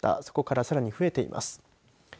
そこから、さらに増えています。